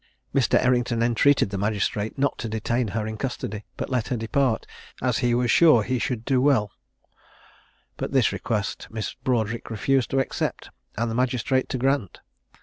Mr. Errington entreated the magistrate not to detain her in custody, but let her depart, as he was sure he should do well; but this request Miss Broadric refused to accept, and the magistrate to grant.